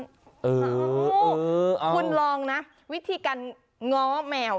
โอ้โหคุณลองนะวิธีการง้อแมว